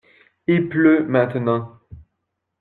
Il pleut maintenant.